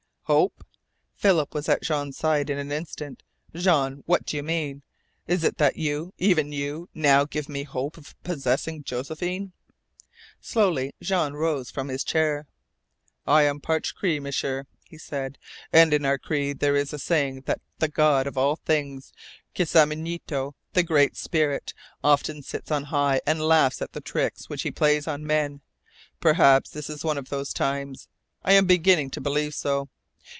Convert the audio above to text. "Hope!" Philip was at Jean's side in an instant. "Jean, what do you mean? Is it that you, even YOU now give me hope of possessing Josephine?" Slowly Jean rose from his chair. "I am part Cree, M'sieur," he said. "And in our Cree there is a saying that the God of all things, Kisamunito, the Great Spirit, often sits on high and laughs at the tricks which he plays on men. Perhaps this is one of those times. I am beginning to believe so.